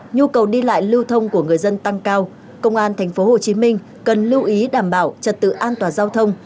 nhu cầu đi lại lưu thông của người dân tăng cao công an tp hcm cần lưu ý đảm bảo trật tự an toàn giao thông